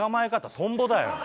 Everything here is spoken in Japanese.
トンボだよ。